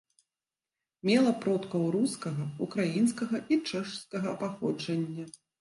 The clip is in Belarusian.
Мела продкаў рускага, украінскага і чэшскага паходжання.